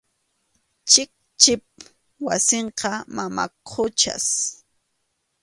Chikchip wasinqa mama Quchas.